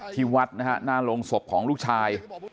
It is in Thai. ที่วัดนะฮะหน้าโรงศพของลูกชาย